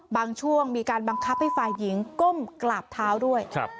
ช่วงมีการบังคับให้ฝ่ายหญิงก้มกราบเท้าด้วย